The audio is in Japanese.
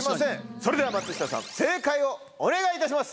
それでは松下さん正解をお願いいたします。